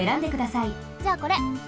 じゃあこれ！